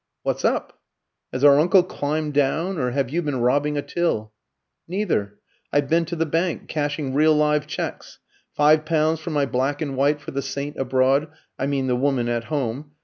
"What's up? Has our uncle climbed down, or have you been robbing a till?" "Neither. I've been to the bank, cashing real live cheques. Five pounds for my black and white for the Saint Abroad, I mean the "Woman at Home."